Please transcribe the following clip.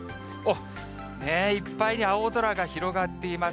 いっぱいに青空が広がっています。